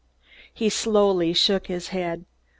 He slowly shook his head.